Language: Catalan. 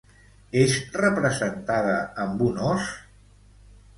És representada amb un os?